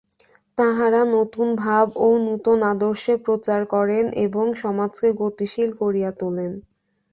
তাঁহারা নূতন ভাব ও নূতন আদর্শ প্রচার করেন এবং সমাজকে গতিশীল করিয়া তোলেন।